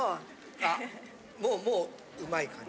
あっもううまい感じ。